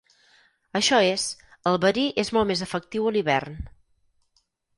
Això és, el verí és molt més efectiu a l'hivern.